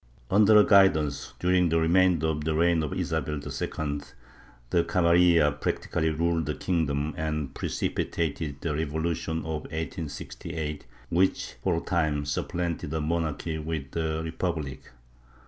Under her guidance, during the remainder of the reign of Isabel II, the camarilla practi cally ruled the kingdom and precipitated the revolution of 1868, which, for a time, supplanted the monarchy with a republic.